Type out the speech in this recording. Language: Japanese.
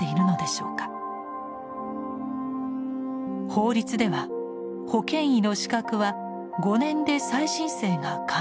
法律では保険医の資格は５年で再申請が可能です。